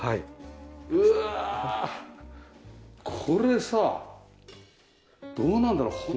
これさどうなんだろ。